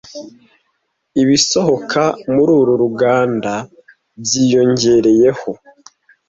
Ibisohoka muri uru ruganda byiyongereyeho